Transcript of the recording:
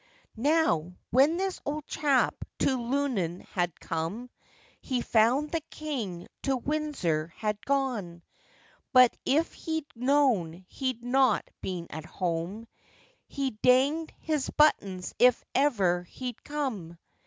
Now, when this old chap to Lunnun had come, He found the king to Windsor had gone; But if he'd known he'd not been at home, He danged his buttons if ever he'd come.